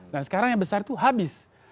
nah sekarang yang besar itu habis